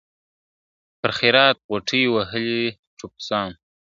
پر خیرات غوټې وهلې ټپوسانو `